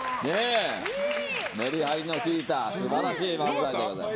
メリハリの効いた素晴らしい漫才でございます。